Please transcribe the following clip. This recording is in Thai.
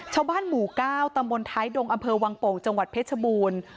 ชาวบ้านหมู่ก้าวตำบลไทยดงวังโป่งจังหวัดเพชรบูรณ์